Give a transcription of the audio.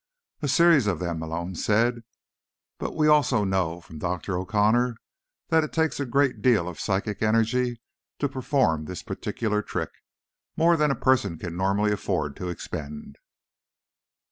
"A series of them," Malone said. "But we also know, from Dr. O'Connor, that it takes a great deal of psychic energy to perform this particular trick—more than a person can normally afford to expend."